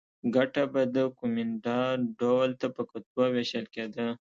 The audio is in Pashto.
ګټه به د کومېندا ډول ته په کتو وېشل کېده.